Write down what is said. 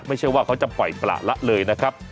ไม่ใช่ว่าเขาจะปล่อยประละเลยนะครับ